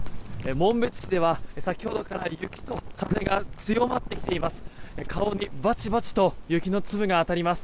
紋別市では先ほどから雪と風が強まってきています。